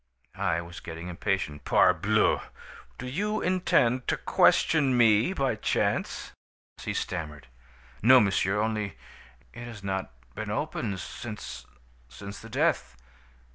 "I was getting impatient. "'Parbleu! Do you intend to question me, by chance?' "He stammered: "'No monsieur only it has not been opened since since the death.